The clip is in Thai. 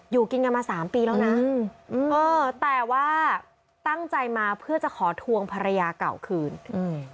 อยู่กินกันมาสามปีแล้วนะอืมเออแต่ว่าตั้งใจมาเพื่อจะขอทวงภรรยาเก่าคืนอืม